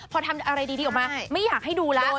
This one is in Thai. พอทำอะไรดีออกมาไม่อยากให้ดูแล้ว